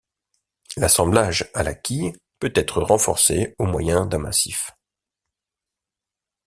L'assemblage à la quille peut être renforcé au moyen d'un massif.